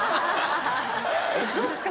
どうですか？